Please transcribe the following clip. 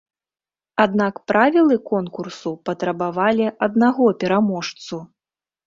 Аднак правілы конкурсу патрабавалі аднаго пераможцу.